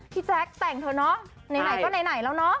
แจ๊คแต่งเถอะเนาะไหนก็ไหนแล้วเนาะ